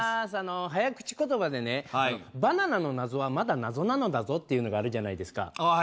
早口言葉で「バナナの謎はまだ謎なのだぞ」っていうのがあるじゃないですか。